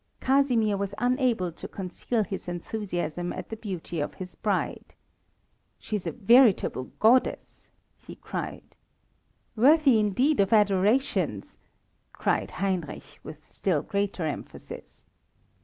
Casimir was unable to conceal his enthusiasm at the beauty of his bride. "She is a veritable goddess!" he cried. "Worthy indeed of adorations!" cried Heinrich, with still greater emphasis.